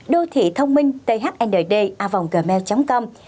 đô thị thông minh thnd a vong gmail com